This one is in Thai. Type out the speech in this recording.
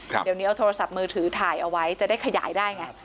เดี๋ยวนี้เอาโทรศัพท์มือถือถ่ายเอาไว้จะได้ขยายได้ไง